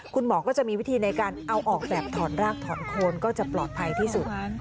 คุณหมอก็จะมีวิธีในการเอาออกแบบถอนรากถอนโคนก็จะปลอดภัยที่สุด